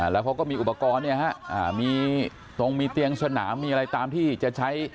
แล้วเขาก็มีอุปกรณ์มีตรงมีเตียงสนามมีอะไรตามที่จะใช้